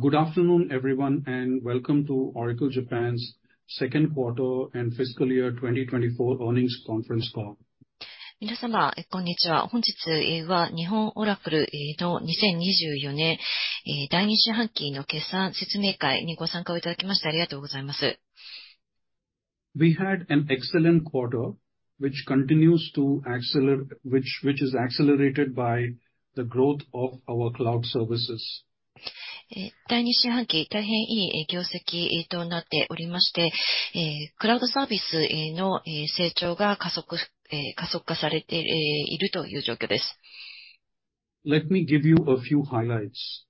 Good afternoon, everyone, and welcome to Oracle Japan's second quarter and fiscal year 2024 earnings conference call. 皆様、こんにちは。本日は日本オラクルの2024年第2四半期の決算説明会にご参加をいただきましてありがとうございます。We had an excellent quarter, which continues to accelerate, which is accelerated by the growth of our cloud services. 第二四半期は大変良い業績となっており、クラウドサービスの成長が加速化されているという状況です。Let me give you a few highlights.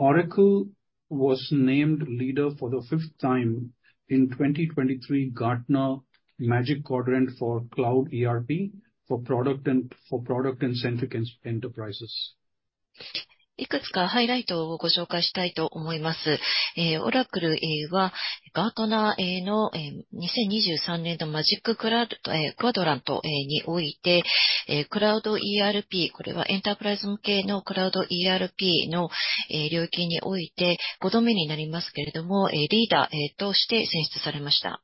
Oracle was named leader for the fifth time in 2023 Gartner Magic Quadrant for Cloud ERP for product-centric enterprises. いくつかハイライトをご紹介したいと思います。オラクルは、ガートナーの2023年度マジッククラウドクアドラントにおいて、クラウドERP、これはエンタープライズ向けのクラウドERPの領域において、5度目になりますけれども、リーダーとして選出されました。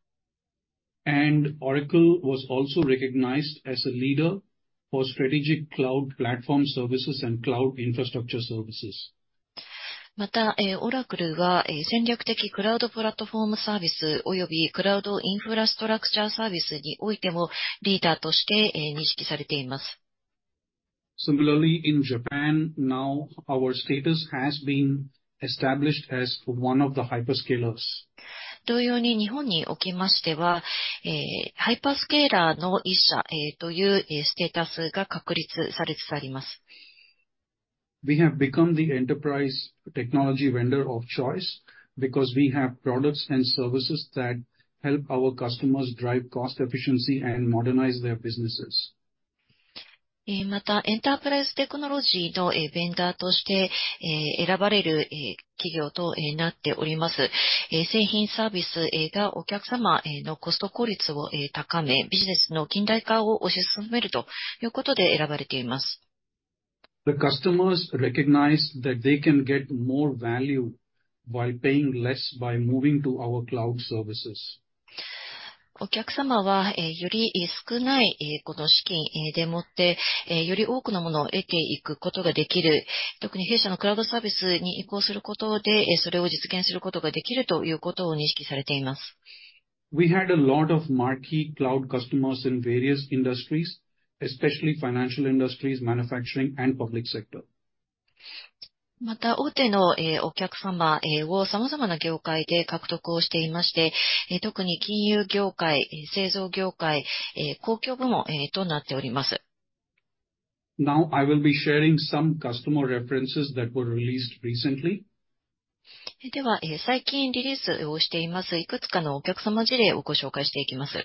Oracle was also recognized as a leader for strategic cloud platform services and cloud infrastructure services. また、えー、オラクルは戦略的クラウドプラットフォームサービスおよびクラウドインフラストラクチャーサービスにおいてもリーダーとして認識されています。Similarly, in Japan, now our status has been established as one of the hyperscalers. 同様に、日本におきましては、ハイパースケーラーの一社というステータスが確立されております。We have become the enterprise technology vendor of choice because we have products and services that help our customers drive cost efficiency and modernize their businesses. また、エンタープライズテクノロジーのベンダーとして選ばれる企業となっております。製品サービスがお客様のコスト効率を高め、ビジネスの近代化を推し進めるということで選ばれています。The customers recognize that they can get more value while paying less by moving to our cloud services. お客様は、より少ない資金でもって、より多くのものを得ていくことができる。特に弊社のクラウドサービスに移行することで、それを実現することができるということを認識されています。We had a lot of marquee cloud customers in various industries, especially financial industries, manufacturing and public sector. また、大手のお客様を様々な業界で獲得をしていまして、特に金融業界、製造業界、公共部門となっております。Now I will be sharing some customer references that were released recently. では、最近リリースをしています。いくつかのお客様事例をご紹介していきます。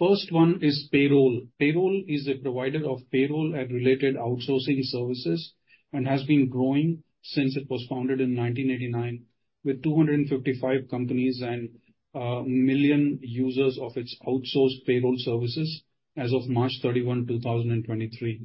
First one is Payroll. Payroll is a provider of Payroll and related outsourcing services and has been growing since it was founded in 1989, with 255 companies and 1 million users of its outsourced Payroll services as of March 31, 2023.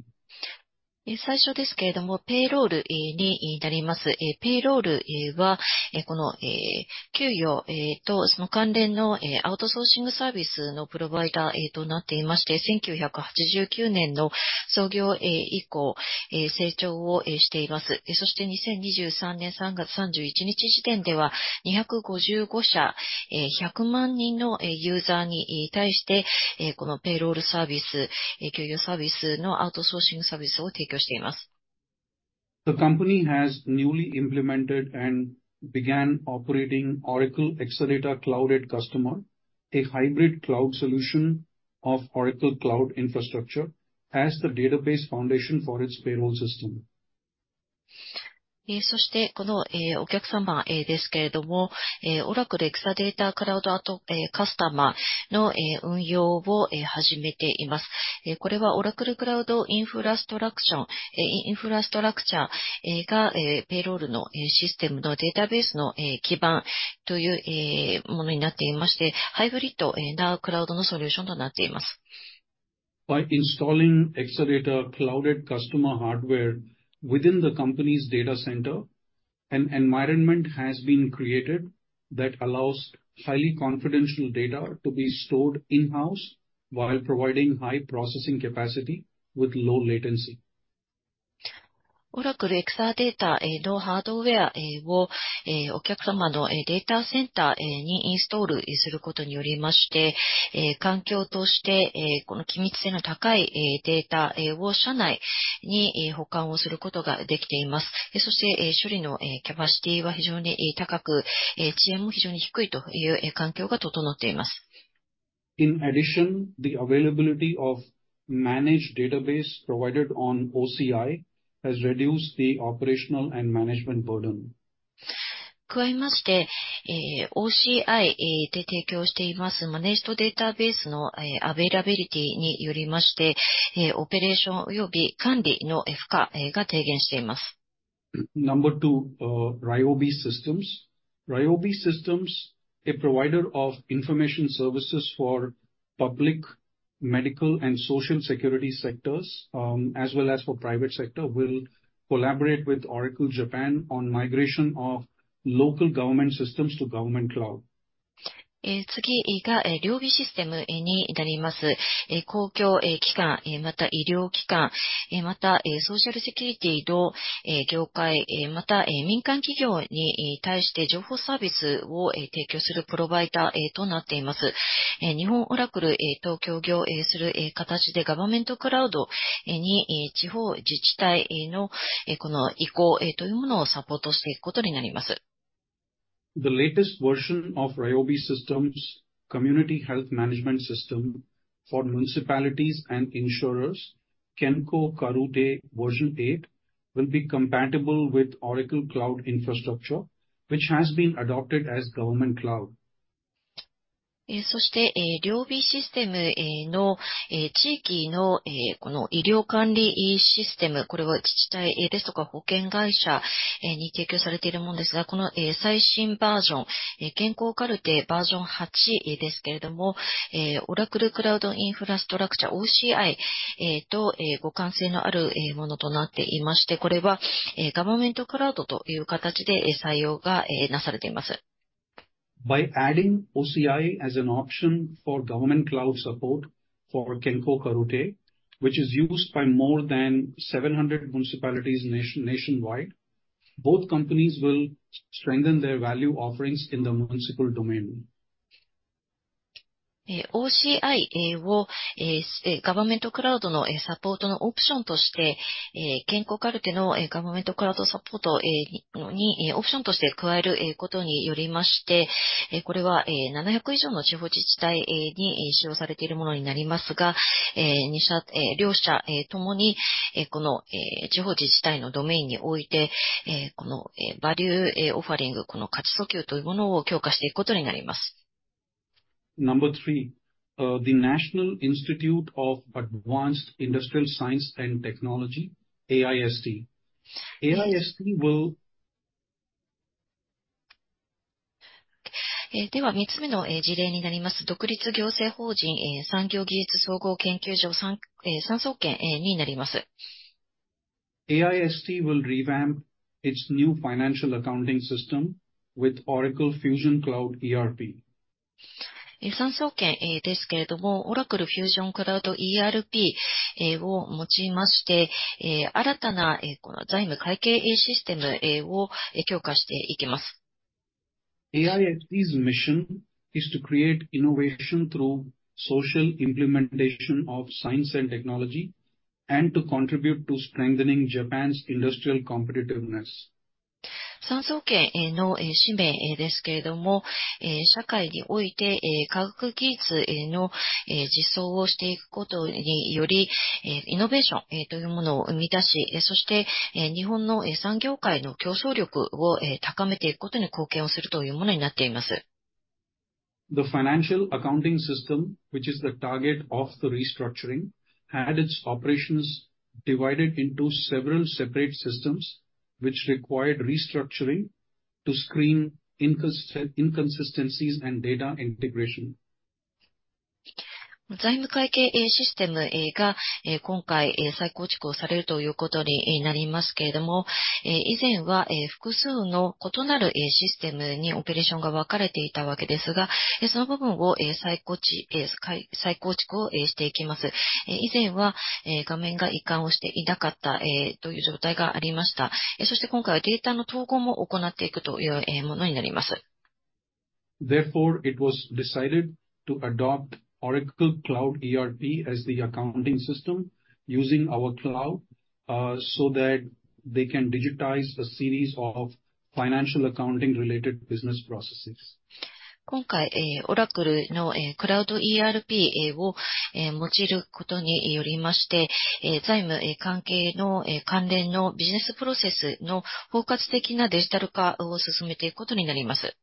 The company has newly implemented and began operating Oracle Exadata Cloud@Customer, a hybrid cloud solution of Oracle Cloud Infrastructure, as the database foundation for its Payroll system. えー、そして、この、えー、お客様、えー、ですけれども、オラクルエクサデータクラウド、えー、カスタマーの運用を始めています。これはオラクルクラウドインフラストラクション、インフラストラクチャーがペイロールのシステムのデータベースの基盤というものになっていまして、ハイブリッドクラウドのソリューションとなっています。By installing Exadata Cloud@Customer hardware within the company's data center, an environment has been created that allows highly confidential data to be stored in-house while providing high processing capacity with low latency. オラクルエクサデータのハードウェアを、お客様のデータセンターにインストールすることにより、環境として、機密性の高いデータを社内に保管することができています。そして、処理のキャパシティは非常に高く、遅延も非常に低いという環境が整っています。In addition, the availability of managed database provided on OCI has reduced the operational and management burden. 加えまして、OCI で提供していますマネージドデータベースのアベイラビリティにより、オペレーションおよび管理の負荷が低減しています。Number two, Ryobi Systems. Ryobi Systems, a provider of information services for public medical and social security sectors, as well as for private sector, will collaborate with Oracle Japan on migration of local government systems to Government Cloud. The latest version of Ryobi Systems Community Health Management System for Municipalities and Insurers, Kenko Karute version eight, will be compatible with Oracle Cloud Infrastructure, which has been adopted as Government Cloud. By adding OCI as an option for Government Cloud support for Kenko Karute, which is used by more than 700 municipalities nationwide, both companies will strengthen their value offerings in the municipal domain. OCI を、ガバメントクラウドのサポートのオプションとして、健康カルテのガバメントクラウドサポートにオプションとして加えることにより、これは700以上の地方自治体に使用されているものになりますが、both、両者ともに、この地方自治体のドメインにおいて、このバリューオファリング、この価値訴求というものを強化していくことになります。Number three, the National Institute of Advanced Industrial Science and Technology, AIST. AIST will- では三つ目の事例になります。独立行政法人産業技術総合研究所、産総研になります。AIST will revamp its new financial accounting system with Oracle Fusion Cloud ERP. 産総研ですけれども、Oracle Fusion Cloud ERPを用いまして、新たなこの財務会計システムを強化していきます。AIST's mission is to create innovation through social implementation of science and technology, and to contribute to strengthening Japan's industrial competitiveness. 産総研の使命ですけれども、社会において科学技術の実装をしていくことにより、イノベーションというものを生み出し、そして日本の産業界の競争力を高めていくことに貢献するというものになっています。The financial accounting system, which is the target of the restructuring, had its operations divided into several separate systems, which required restructuring to screen inconsistencies and data integration. 財務会計システムが今回再構築をされるということになりますけれども、以前は複数の異なるシステムにオペレーションが分かれていたわけですが、その部分を再構築をしていきます。以前は画面が一致をしていなかったという状態がありました。そして今回はデータの統合も行っていくという、えー、ものになります。Therefore, it was decided to adopt Oracle Cloud ERP as the accounting system using our cloud so that they can digitize a series of financial accounting related business processes. 今回、オラクルのクラウドERPを用いることにより、財務関係の関連のビジネスプロセスの包括的なデジタル化を進めていくことになります。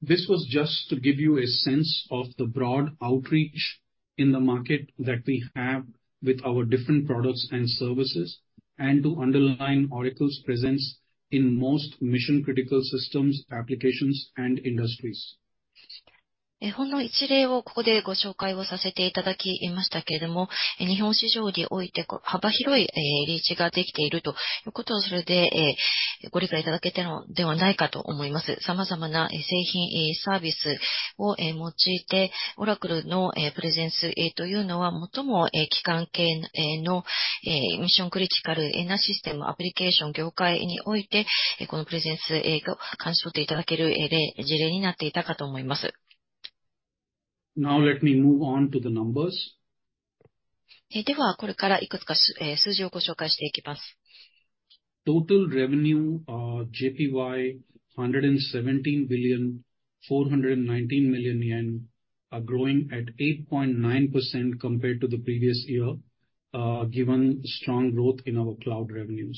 This was just to give you a sense of the broad outreach in the market that we have with our different products and services, and to underline Oracle's presence in most mission critical systems, applications, and industries. Now, let me move on to the numbers. では、これからいくつか数字をご紹介していきます。Total revenue is 117.419 billion, growing at 8.9% compared to the previous year, given strong growth in our cloud revenues.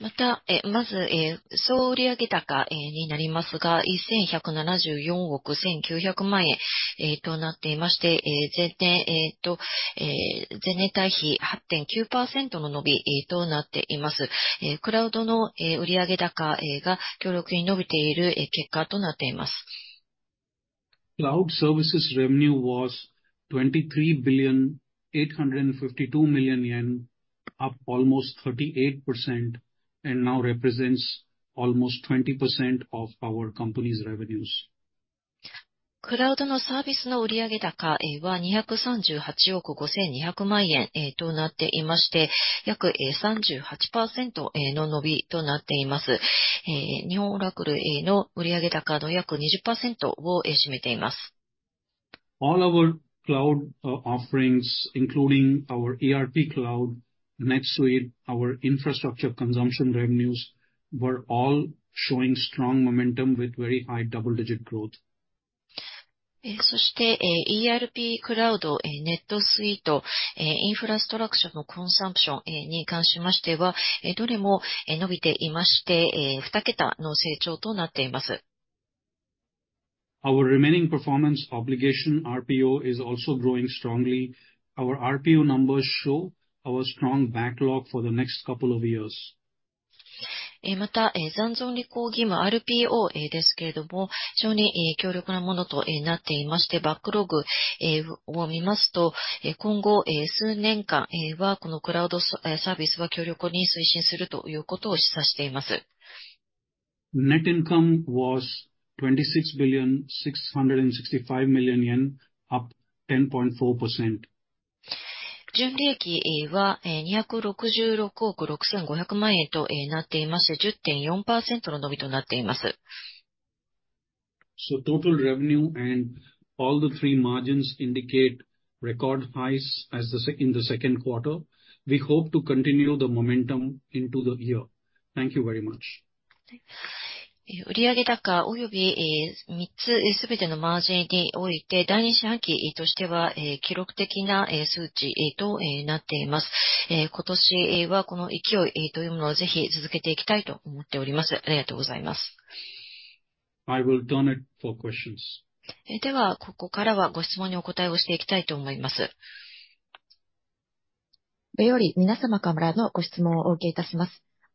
また、まず総売上高になりますが、1,174億1,900万円となっていまして、前年対比8.9%の伸びとなっています。クラウドの売上高が強力に伸びている結果となっています。Cloud Services revenue was JPY 23.852 billion, up almost 38%, and now represents almost 20% of our company's revenues. クラウドのサービスの売上高は238億5,200万円となっていまして、約38%の伸びとなっています。日本オラクルの売上高の約20%を占めています。All our cloud offerings, including our ERP cloud, NetSuite, our infrastructure consumption revenues, were all showing strong momentum with very high double-digit growth. そして、ERPクラウド、NetSuite、インフラストラクチャーのコンサンプションに関しましては、どれも伸びていまして、二桁の成長となっています。Our remaining performance obligation RPO is also growing strongly. Our RPO numbers show our strong backlog for the next couple of years. また、残存履行義務RPOですけれども、非常に強力なものとなっていまして、バックログを見ますと、今後数年間はこのクラウドサービスは強力に推進するということを示唆しています。Net income was JPY 26.665 billion, up 10.4%. 純利益は266億6,500万円となっています。10.4%の伸びとなっています。Total revenue and all three margins indicate record highs in the second quarter. We hope to continue the momentum into the year. Thank you very much. 売上高および、三つすべてのマージンにおいて、第二四半期としては記録的な数値となっています。今年は、この勢いというものをぜひ続けていきたいと思っております。ありがとうございます。I will turn it over for questions.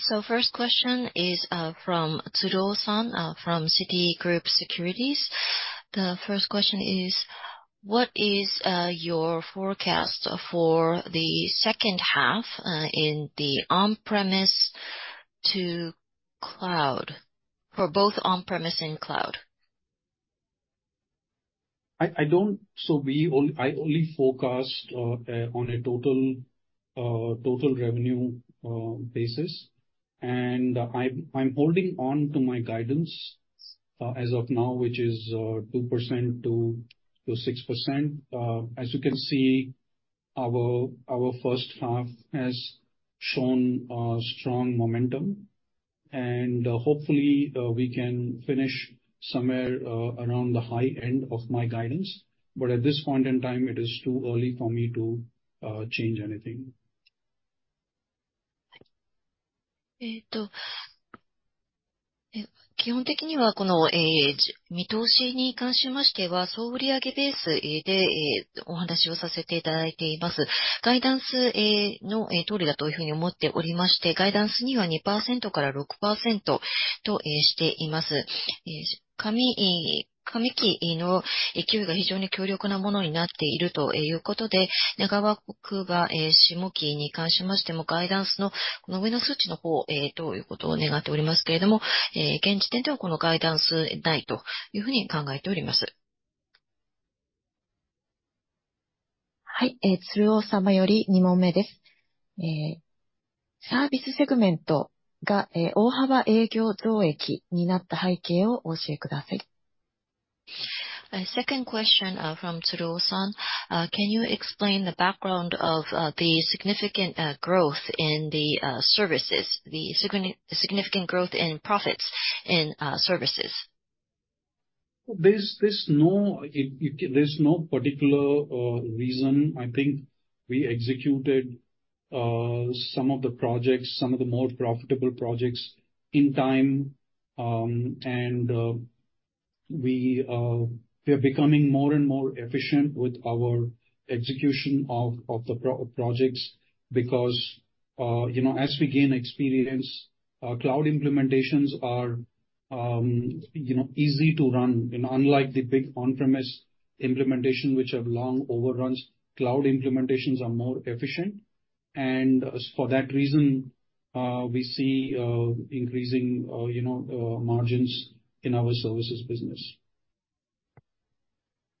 So first question is from Tsuruo San from Citigroup Securities. The first question is what is your forecast for the second half in the on premise to cloud for both on premise and cloud? I don't. So we only forecast on a total revenue basis. I'm holding on to my guidance as of now, which is 2%-6%. As you can see, our first half has shown strong momentum and hopefully we can finish somewhere around the high end of my guidance. But at this point in time, it is too early for me to change anything. A second question from Tsuru San. Can you explain the background of the significant growth in the services, the significant growth in profits in services? There's no particular reason. I think we executed some of the projects, some of the more profitable projects in time. And we are becoming more and more efficient with our execution of the projects because, you know, as we gain experience, cloud implementations are easy to run. And unlike the big on premise implementation, which have long overruns, cloud implementations are more efficient. And for that reason, we see increasing margins in our services business. はい、ありがとうございます。えー、ただ今ご質問いただいていない状況ですが、えー、もしご質問がありましたら、えー、ご入力、Q&Aより。あ、いましたね。えー、SMBC日興証券の菊池様より、えー、ご質問です。えー、一問目ですが、クラウドサービスの増収額のブレイクダウンを教えてください。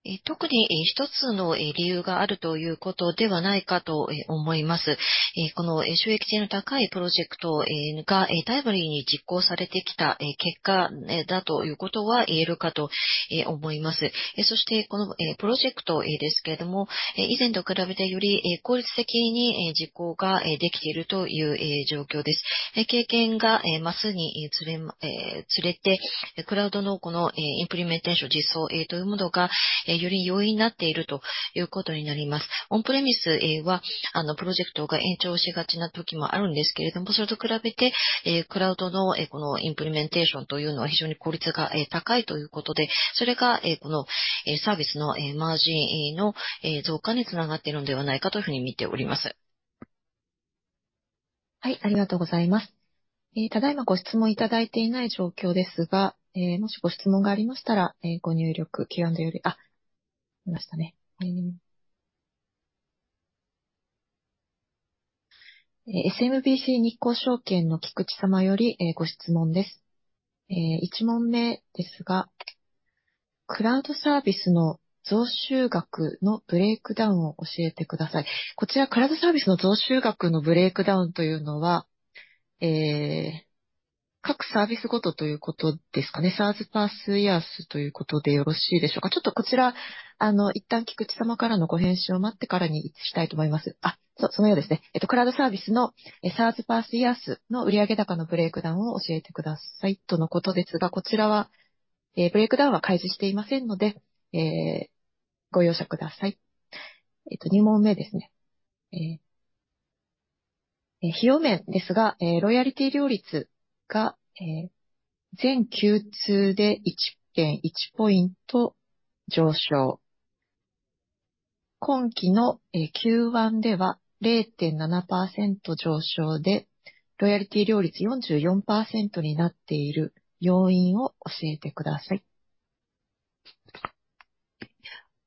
今期のQ1では0.7%上昇で、ロイヤリティ料率44%になっている要因を教えてください。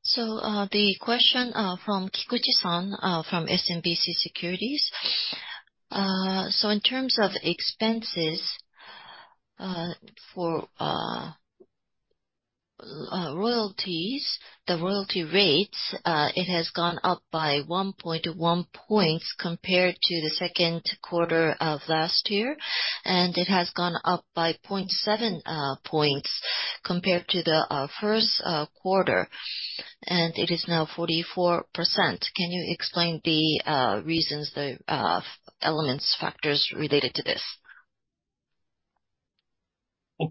The question from Kikuchi-san from SMBC Securities: In terms of expenses for royalties, the royalty rates have gone up by 1.1 points compared to the second quarter of last year, and have gone up by 0.7 points compared to the first quarter, and are now 44%. Can you explain the reasons, the elements, factors related to this?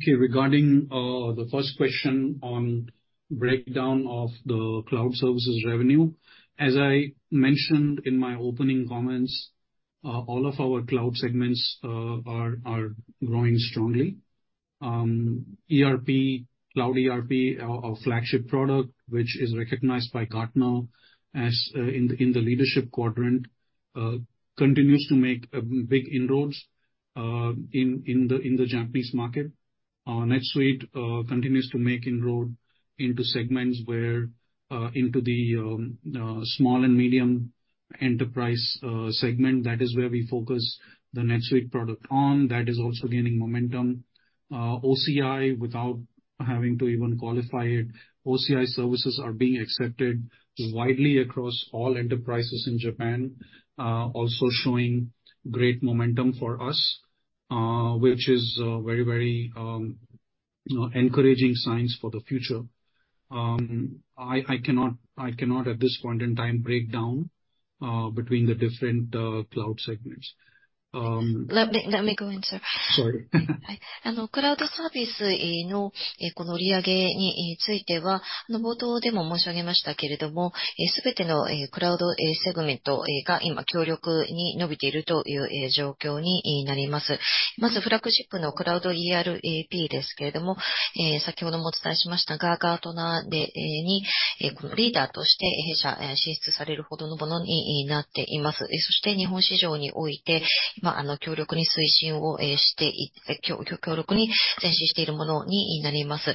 Regarding the first question on breakdown of the cloud services revenue. As I mentioned in my opening comments, all of our cloud segments are growing strongly. ERP, Cloud ERP, our flagship product, which is recognized by Gartner as in the leadership quadrant, continues to make big inroads in the Japanese market. NetSuite continues to make inroads into segments where into the small and medium enterprise segment. That is where we focus the NetSuite product on. That is also gaining momentum, OCI without having to even qualify it. OCI services are being accepted widely across all enterprises in Japan, also showing great momentum for us, which is a very encouraging sign for the future. I cannot, at this point in time, break down between the different cloud segments. Let me go into- Sorry. あの、クラウドサービスの、えー、この売り上げについては、冒頭でも申し上げましたけれども、えー、すべてのクラウドセグメント、えー、が今強力に伸びているという、えー、状況になります。まず、フラッグシップのクラウドERPですけれども、先ほどもお伝えしましたが、ガートナーで、リーダーとして弊社進出されるほどのものになっています。そして、日本市場において、今、強力に推進をしていき、強力に前進しているものになります。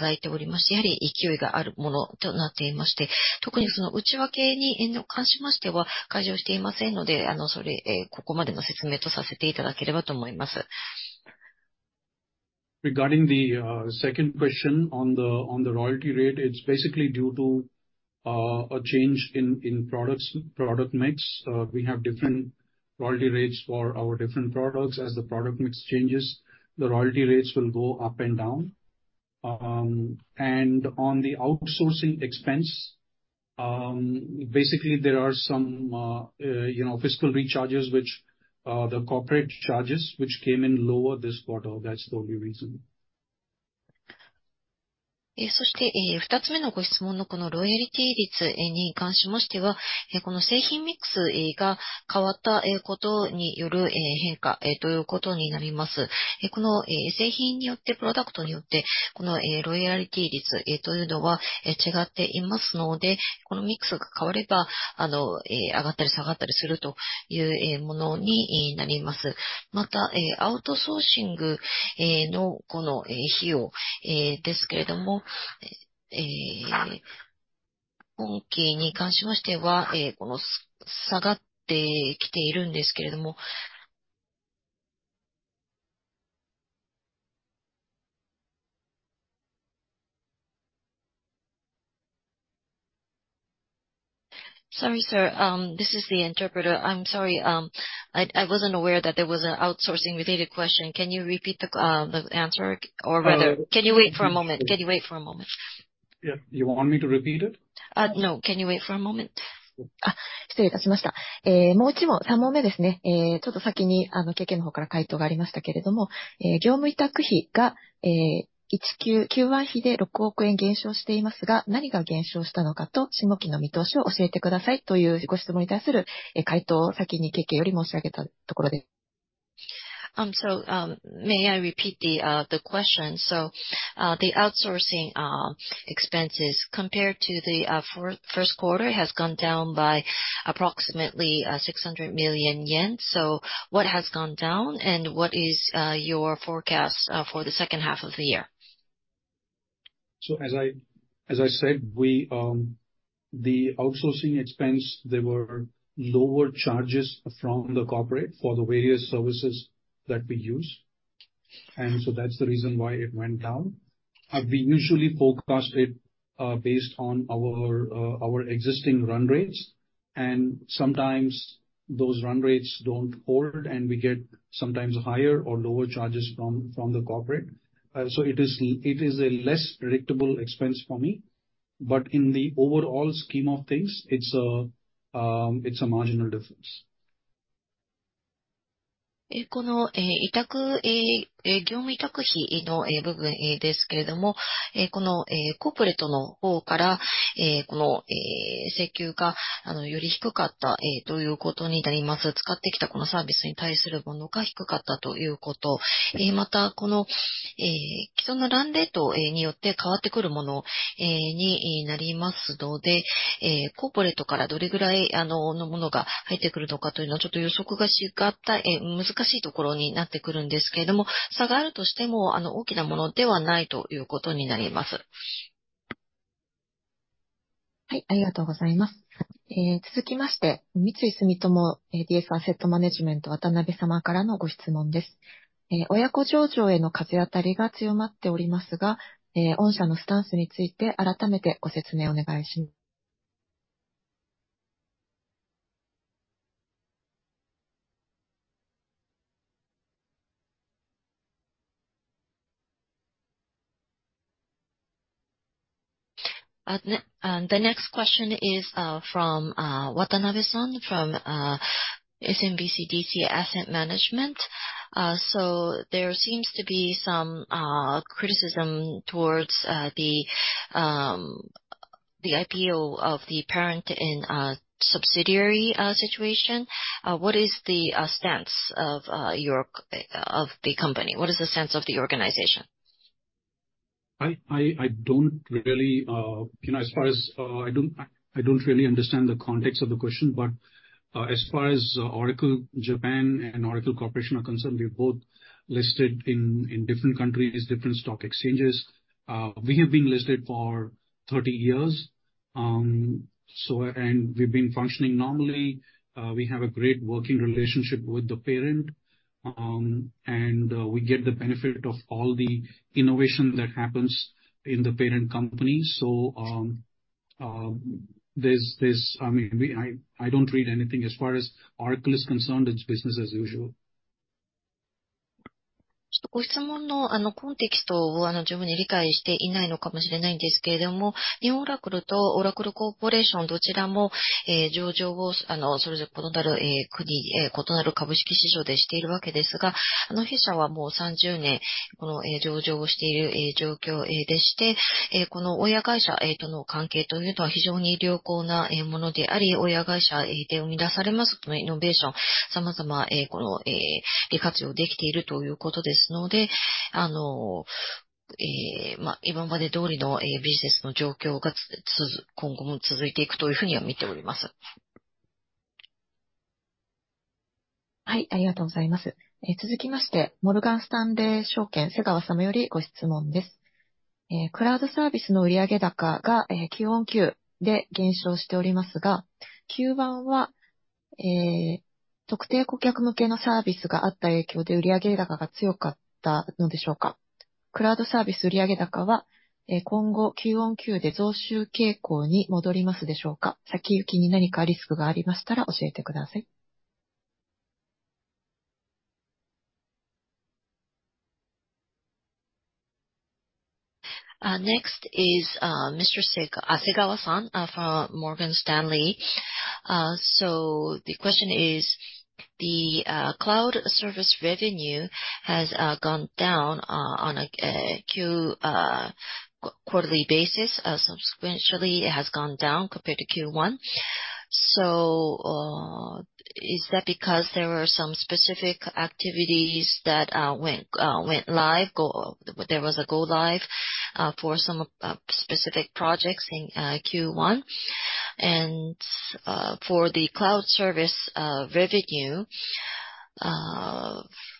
また、OCIサービスに関しましても、幅広くすべてのエンタープライズのレベルにおいて受け入れていただいておりまして、やはり勢いがあるものとなっていまして、特にその内訳に関しましては開示をしていませんので、それ、ここまでの説明とさせていただければと思います。Regarding the second question on the royalty rate, it's basically due to a change in products, product mix. We have different royalty rates for our different products. As the product mix changes, the royalty rates will go up and down. And on the outsourcing expense, basically there are some fiscal recharges, which the corporate charges, which came in lower this quarter. That's the only reason. Sorry, sir. This is the interpreter. I'm sorry. I wasn't aware that there was an outsourcing related question. Can you repeat the answer? Or rather, can you wait for a moment? Can you wait for a moment? Yeah. You want me to repeat it? No. Can you wait for a moment? あ、失礼いたしました。もう一問、三問目ですね。ちょっと先に、あの、KKの方から回答がありましたけれども、業務委託費が、一Q、Q1比で六億円減少していますが、何が減少したのかと、下期の見通しを教えてくださいというご質問に対する、回答を先にKKより申し上げたところで。May I repeat the question? The outsourcing expenses compared to the first quarter has gone down by approximately 600 million yen. What has gone down? What is your forecast for the second half of the year? As I said, the outsourcing expense, there were lower charges from the corporate for the various services that we use. That's the reason why it went down. We usually forecast it based on our existing run rates, and sometimes those run rates don't hold, and we get sometimes higher or lower charges from the corporate. It is a less predictable expense for me, but in the overall scheme of things, it's a marginal difference. The next question is from Watanabe San from SMBC DS Asset Management. So there seems to be some criticism towards the IPO of the parent in subsidiary situation. What is the stance of your company? What is the stance of the organization? I don't really understand the context of the question, but as far as Oracle Japan and Oracle Corporation are concerned, we're both listed in different countries, different stock exchanges. We have been listed for 30 years. So we've been functioning normally. We have a great working relationship with the parent. And we get the benefit of all the innovation that happens in the parent company. So there's, I mean, I don't read anything. As far as Oracle is concerned, it's business as usual. Next is Mr. Segawa-san from Morgan Stanley. So the question is, the cloud service revenue has gone down on a quarterly basis. Subsequently, it has gone down compared to Q1. So is that because there were some specific activities that went live, or there was a go live for some specific projects in Q1? And for the cloud service revenue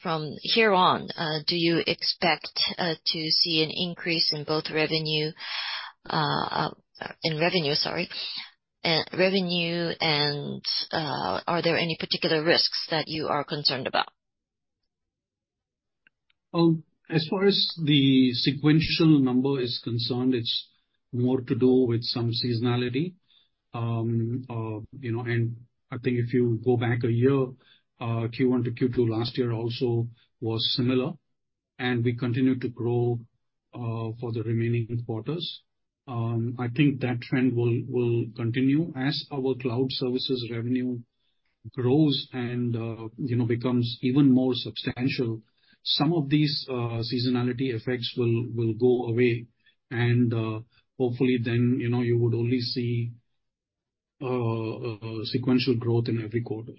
from here on, do you expect to see an increase in revenue, and are there any particular risks that you are concerned about? As far as the sequential number is concerned, it's more to do with some seasonality. You know, and I think if you go back a year, Q1 to Q2 last year also was similar, and we continued to grow for the remaining quarters. I think that trend will continue. As our cloud services revenue grows and becomes even more substantial, some of these seasonality effects will go away, and hopefully then you would only see sequential growth in every quarter.